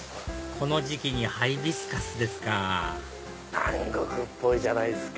この時期にハイビスカスですか南国っぽいじゃないですか。